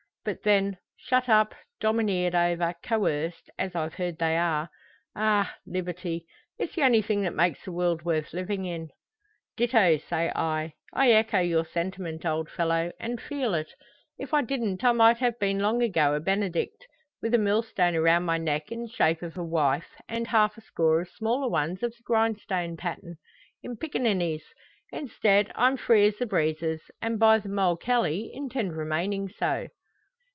But then, shut up, domineered over, coerced, as I've heard they are ah, liberty! It's the only thing that makes the world worth living in." "Ditto, say I. I echo your sentiment, old fellow, and feel it. If I didn't I might have been long ago a Benedict, with a millstone around my neck in the shape of a wife, and half a score of smaller ones of the grindstone pattern in piccaninnies. Instead, I'm free as the breezes, and by the Moll Kelly, intend remaining so!"